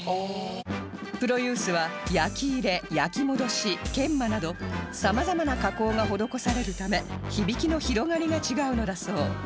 プロユースは焼入れ焼戻し研磨など様々な加工が施されるため響きの広がりが違うのだそう